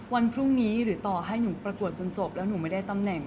วันพรุ่งนี้หรือต่อให้หนูประกวดจนจบแล้วหนูไม่ได้ตำแหน่ง